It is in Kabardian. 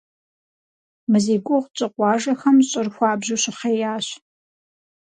Мы зи гугъу тщӀы къуажэхэм щӀыр хуабжьу щыхъеящ.